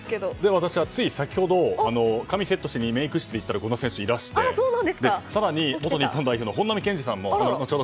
私はつい先ほど髪をセットしにメイク室に行ったら権田選手がいらして更に、元日本代表の本並健治さんも後ほど